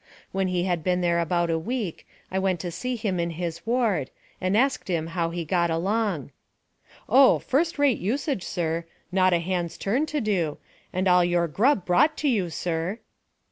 When he had been there about a week, I went to see him in his ward, and asked him how he got along. "Oh! first rate usage, sir; not a hand's turn to do, and all your grub brought to you, sir."